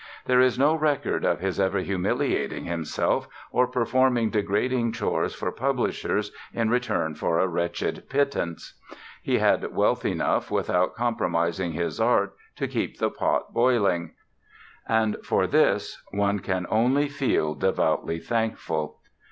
There is no record of his ever humiliating himself or performing degrading chores for publishers in return for a wretched pittance. He had wealth enough without compromising his art to keep the pot boiling—and for this one can only feel devoutly thankful.